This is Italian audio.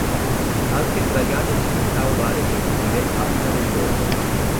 Anche svariate civiltà umane primitive abitano il mondo.